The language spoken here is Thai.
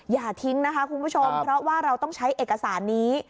อย่าทิ้งนะคะคุณผู้ชมเพราะว่าเราต้องใช้เอกสารนี้